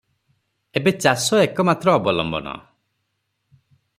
ଏବେ ଚାଷ ଏକମାତ୍ର ଅବଲମ୍ବନ ।